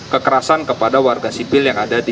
kekerasan kepada warga sipil